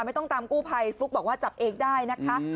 ไม่ต้องตามกู้ภัยฟลุ๊กบอกว่าจับเองได้นะคะ